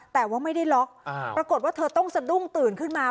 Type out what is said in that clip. แต่ว่าไม่ได้ล็อกปรากฏว่าเธอต้องสะดุ้งตื่นขึ้นมา